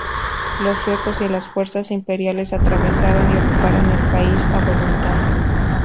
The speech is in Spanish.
Los suecos y las fuerzas imperiales atravesaron y ocuparon el país a voluntad.